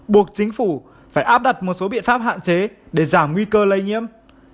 buộc chính phủ phải áp đặt một số biện pháp hạn chế để giảm nguy cơ lây nhiễm